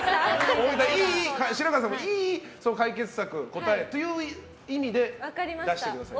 白河さんもいい解決策という意味で出してくださいね。